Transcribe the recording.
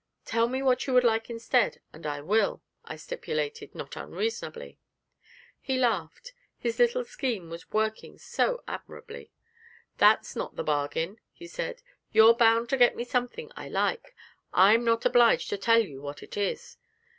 'Tell me what you would like instead, and I will,' I stipulated, not unreasonably. He laughed; his little scheme was working so admirably. 'That's not the bargain,' he said; 'you're bound to get me something I like. I'm not obliged to tell you what it is.'